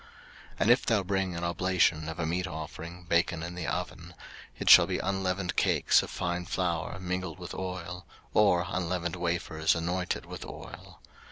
03:002:004 And if thou bring an oblation of a meat offering baken in the oven, it shall be unleavened cakes of fine flour mingled with oil, or unleavened wafers anointed with oil.